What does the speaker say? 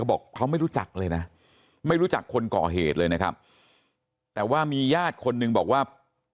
บอกเขาไม่รู้จักเลยนะไม่รู้จักคนก่อเหตุเลยนะครับแต่ว่ามีญาติคนหนึ่งบอกว่า